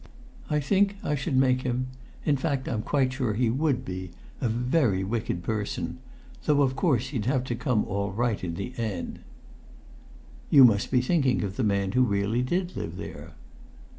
I think I should make him in fact I'm quite sure he would be a very wicked person, though of course he'd have to come all right in the end." "You must be thinking of the man who really did live there."